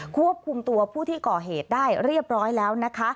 ควบคุมตัวผู้ที่ก่อเหตุได้เรียบร้อยแล้วนะคะ